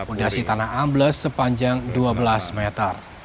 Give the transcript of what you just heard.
fondasi tanah ambles sepanjang dua belas meter